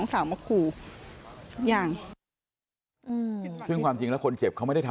พี่สาวบอกแบบนั้นหลังจากนั้นเลยเตือนน้องตลอดว่าอย่าเข้าในพงษ์นะ